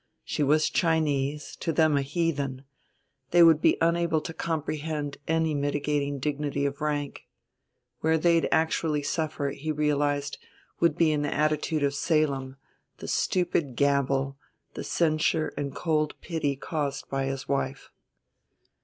She was Chinese, to them a heathen: they would be unable to comprehend any mitigating dignity of rank. Where they'd actually suffer, he realized, would be in the attitude of Salem, the stupid gabble, the censure and cold pity caused by his wife.